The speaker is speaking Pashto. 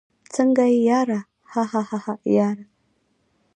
څنګه يې ياره؟ هههه ياره